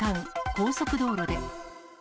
高速道路で。